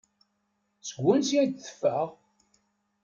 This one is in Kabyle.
Seg wansi ay d-teffeɣ?